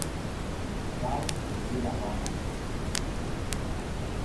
Gaur mendira joan naiz